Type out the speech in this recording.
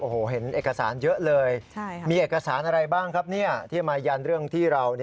โอ้โหเห็นเอกสารเยอะเลยมีเอกสารอะไรบ้างครับที่มายันเรื่องที่เรา